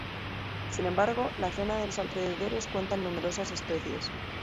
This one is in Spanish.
Sin embargo, las zonas de los alrededores cuentan numerosas especies.